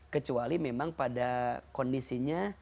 kecuali memang pada kondisinya